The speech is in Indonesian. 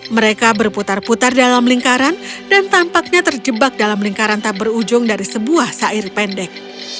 mereka berputar putar dalam lingkaran dan tampaknya terjebak dalam lingkaran tak berujung dari sebuah sair pendek